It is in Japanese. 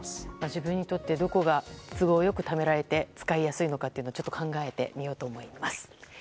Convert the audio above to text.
自分にとってどこが都合よくためられて使いやすかをちょっと考えてみようと思います。